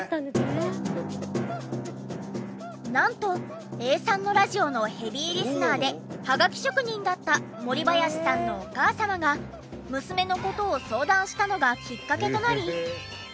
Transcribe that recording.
なんと永さんのラジオのヘビーリスナーでハガキ職人だったもりばやしさんのお母様が娘の事を相談したのがきっかけとなり。